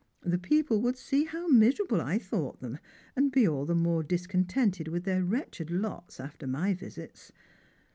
The people would see hc'^ miserable I thought them, and be all the more discontented with their wretched lots after my visits.